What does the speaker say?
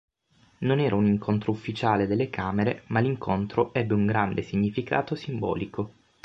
Non era un incontro ufficiale delle Camere, ma l'incontro ebbe un grande significato simbolico.